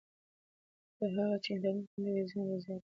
تر هغه چې انټرنېټ خوندي وي، زیان به زیات نه شي.